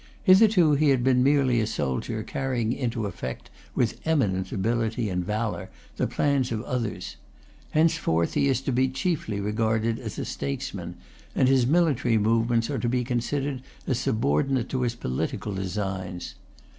Hitherto he had been merely a soldier carrying into effect, with eminent ability and valour, the plans of others. Henceforth he is to be chiefly regarded as a statesman; and his military movements are to be considered as subordinate to his political designs.